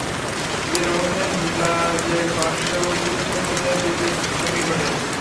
এর অবস্থান হিজাযের পার্শ্বে ও লুত সম্প্রদায়ের হ্রদের সন্নিকটে।